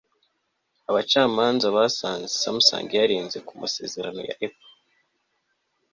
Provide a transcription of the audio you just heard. abacamanza basanze samsung yarenze ku masezerano ya apple